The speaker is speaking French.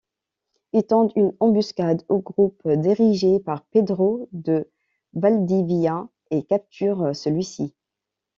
Ils tendent une embuscade au groupe dirigé par Pedro de Valdivia et capturent celui-ci.